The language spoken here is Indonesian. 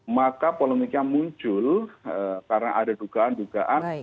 maka polemiknya muncul karena ada dugaan dugaan